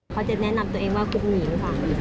พอจะแนะนำตัวเองว่าคุณหญิงค่ะ